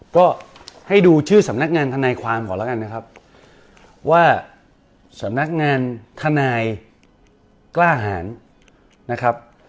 ก็ให้ดูชื่อสำนักงานทนายความก่อนแล้วกันนะครับว่าสำนักงานทนายกล้าหารนะครับ